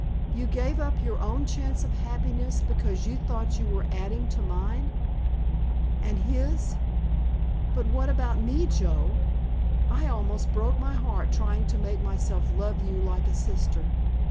You gave up your own chance of happiness because you thought you were adding to mine—and his! But what about me, Joe? I almost broke my heart trying to make myself love you like a sister.